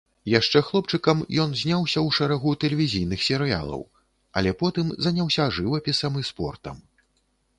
Яшчэ хлопчыкам ён зняўся ў шэрагу тэлевізійных серыялаў, але потым заняўся жывапісам і спортам.